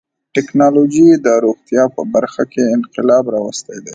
ټکنالوجي د روغتیا په برخه کې انقلاب راوستی دی.